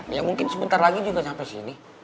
ya mungkin sebentar lagi juga sampai sini